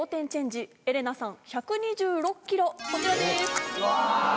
こちらです。